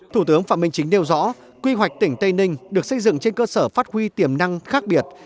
thủ tướng phạm minh chính đều rõ quy hoạch tỉnh tây ninh được xây dựng trên cơ sở phát huy tiềm năng khác biệt